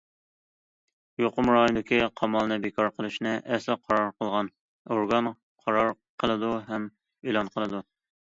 يۇقۇم رايونىدىكى قامالنى بىكار قىلىشنى ئەسلى قارار قىلغان ئورگان قارار قىلىدۇ ھەم ئېلان قىلىدۇ.